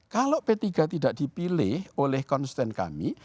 kalau p tiga tidak dipilih oleh konsten kami